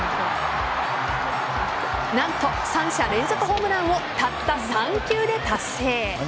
何と３者連続ホームランをたった３球で達成。